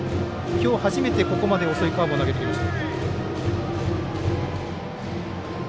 きょう、初めてここまで遅いカーブを投げてきました。